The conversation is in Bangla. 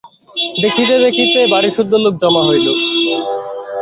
দেখিতে দেখিতে বাড়িসুদ্ধ লোক জমা হইল।